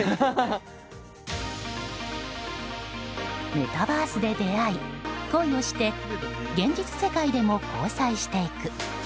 メタバースで出会い、恋をして現実世界でも交際していく。